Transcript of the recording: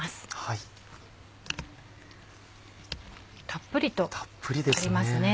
たっぷりとありますね。